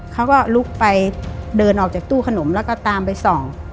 เขาก็ลุกไปเดินออกจากตู้ขนมแล้วก็ตามไปส่อง